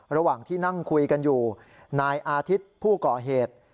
ระหว่างที่นั่งคุยกันอยู่นายอาทิตย์ผู้ก่อเหตุ